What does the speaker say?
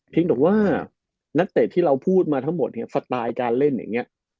เพียงแต่ว่าตั้งแต่ที่เราพูดมาทั้งหมดสไตล์การเล่นอย่างนี้